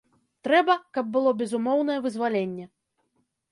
Трэба, каб было безумоўнае вызваленне.